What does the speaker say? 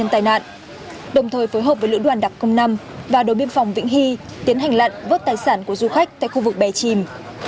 tài nạn đồng thời phối hợp với lưỡi đoàn đặc công năm và đối biên phòng vĩnh hy tiến hành lặn vớt tài sản của du khách tại khu vực bè chìm